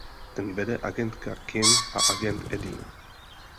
Ten vede agentka Kim a agent Eddie.